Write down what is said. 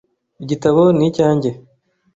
Igitabo ni icyanjye .